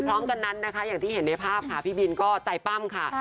พร้อมกันนั้นนะคะอย่างที่เห็นในภาพค่ะพี่บินก็ใจปั้มค่ะ